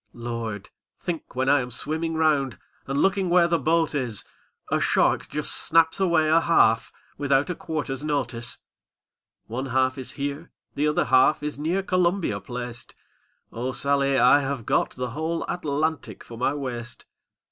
"Lord! think when I am swimming round. And looking where the boat is, A shark just snaps away a half, Without 'a quarterns notice/ Death's Ramble 801 '^One half is here, the other half Is near Columbia placed; O Sally, I have got the whole Atlantic for my waist.